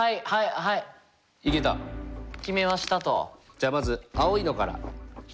じゃあまず青いのから。